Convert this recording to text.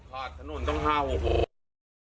ขาดถนนต้องเท่าโอ้โห